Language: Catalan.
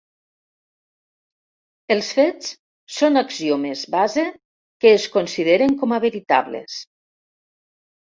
Els fets són axiomes base que es consideren com a veritables.